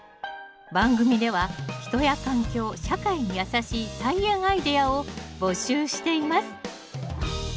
番組では人や環境社会にやさしい菜園アイデアを募集しています。